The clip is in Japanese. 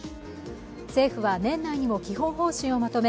政府は年内にも基本方針をまとめ